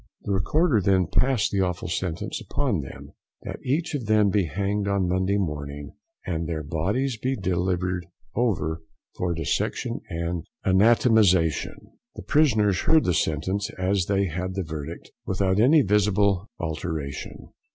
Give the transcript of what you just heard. The Recorder then passed the awful sentence upon them, "That each of them be hanged on Monday morning, and their bodies be delivered over for dissection and anatomization." The prisoners heard the sentence as they had the verdict, without any visible alteration.